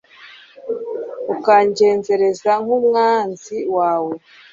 ukangenzereza nk'umwanzi wawe